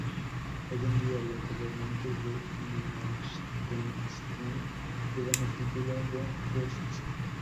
Hoy en día, los gobernantes de Liechtenstein llevan el título de Fürst.